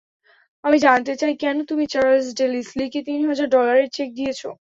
আমি জানতে চাই কেন তুমি চার্লস ডে লিসলিকে তিন হাজার ডলারের চেক দিয়েছো?